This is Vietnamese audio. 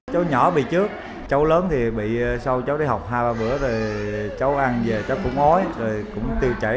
cháu nhỏ bị trước cháu lớn thì bị sau cháu đi học hai ba bữa rồi cháu ăn về cháu cũng ngói rồi cũng tiêu chảy